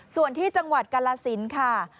ส่วนที่จังหวัดกราศิลป์ค่ะ